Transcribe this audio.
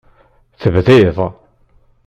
Tebdid.